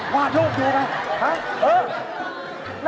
วาดรูปดูไงฮะเออ